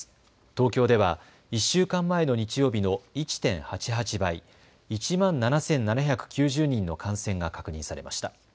東京では１週間前の日曜日の１．８８倍、１万７７９０人の感染が確認されました。